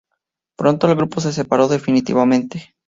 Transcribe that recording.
Pronto, el grupo se separó definitivamente.